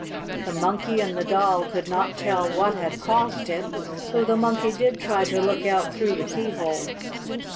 The Monkey and the Doll could not tell what had caused it, though the Monkey did try to look out through the keyhole.